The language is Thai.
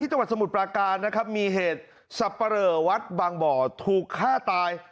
จังหวัดสมุทรปราการนะครับมีเหตุสับปะเหลอวัดบางบ่อถูกฆ่าตาย